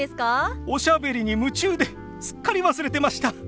おしゃべりに夢中ですっかり忘れてました。